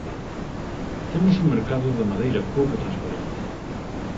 Temos un mercado da madeira pouco transparente.